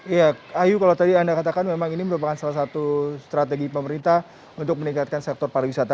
iya ayu kalau tadi anda katakan memang ini merupakan salah satu strategi pemerintah untuk meningkatkan sektor pariwisata